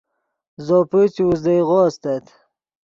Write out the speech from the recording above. زوپے چے اوزدئیغو استت